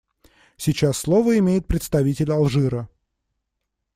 Сейчас слово имеет представитель Алжира.